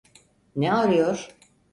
Ne arıyor?